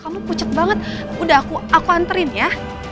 kamu pucat banget udah aku aku anterin ya